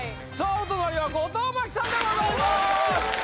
お隣は後藤真希さんでございます